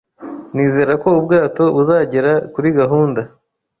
Nizera ko ubwato buzagera kuri gahunda